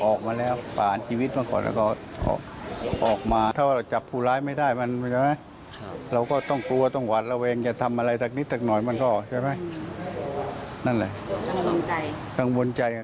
ออกมาเนี่ยป่านชีวิตมึงออกมาถ้าว่าเราจับ